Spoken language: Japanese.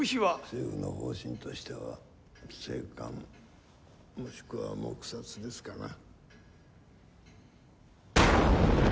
政府の方針としては静観もしくは黙殺ですかな。